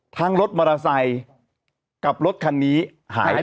รถมอเตอร์ไซค์กับรถคันนี้หายไป